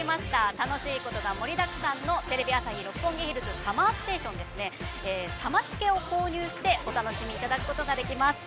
楽しいことが盛りだくさんのテレビ朝日・六本木ヒルズＳＵＭＭＥＲＳＴＡＴＩＯＮサマチケを購入してお楽しみいただくことができます。